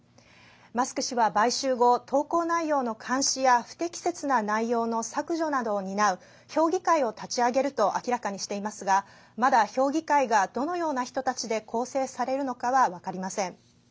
マスク氏は買収後投稿内容の監視や不適切な内容の削除などを担う評議会を立ち上げると明らかにしていますがまだ評議会がどのような人たちで構成されるのかは分かりません。